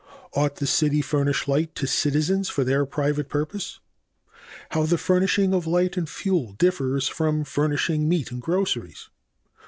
h. Ought the city furnish light to citizens for their private purposes? i. How the furnishing of light and fuel differs from furnishing meat and groceries.